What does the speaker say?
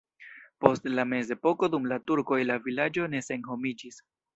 Post la mezepoko dum la turkoj la vilaĝo ne senhomiĝis.